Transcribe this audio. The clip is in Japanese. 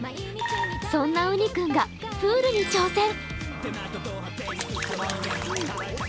そんなうに君がプールに挑戦。